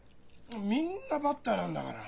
みんなバッターなんだから。